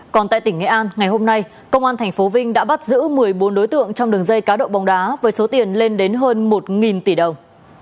còn tại tỉnh nghệ an ngày hôm nay công an tp vinh đã bắt giữ một mươi bốn đối tượng trong đường dây cá độ bóng đá với số tiền lên đến hơn một tỷ đồng